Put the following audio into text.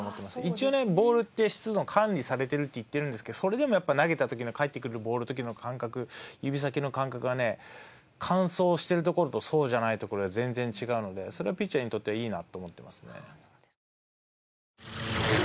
一応ね湿度の管理されてるって言ってるんですけどそれでも投げた時の返ってくるボールの指先の感覚がね乾燥してる所とそうじゃない所では全然違うのでそれはピッチャーにとってはいいなと思ってますね。